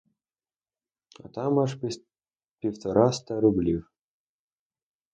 А там аж півтораста рублів.